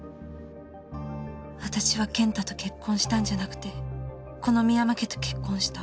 私は健太と結婚したんじゃなくてこの深山家と結婚した